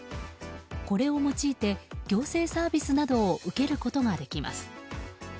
これを用いて行政サービスなどを受けることができます。